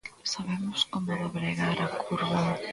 Sabemos como dobregar a curva.